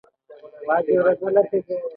څلورم دا چې هغه باید اغېزناک وي.